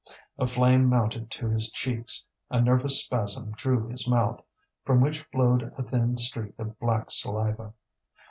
A flame mounted to his cheeks, a nervous spasm drew his mouth, from which flowed a thin streak of black saliva.